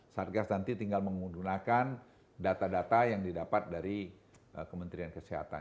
satgas nanti tinggal menggunakan data data yang didapat dari kementerian kesehatan